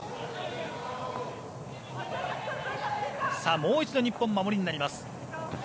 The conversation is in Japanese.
もう一度日本、守りになります。